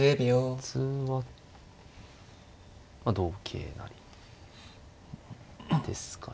普通は同桂成ですかね。